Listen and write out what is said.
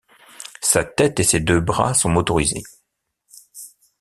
Sa tête et ses deux bras sont motorisés.